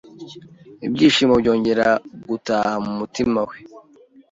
ibyishimo byongera gutaha mu mutima we